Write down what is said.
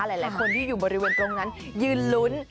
หลายคนที่อยู่บริเวณตรงนั้นยืนลุ้น